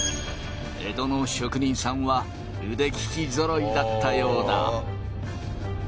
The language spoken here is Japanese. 江戸の職人さんは腕利きぞろいだったようだ。